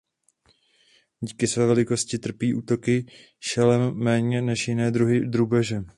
Díky své velikosti trpí útoky šelem méně než jiné druhy drůbeže.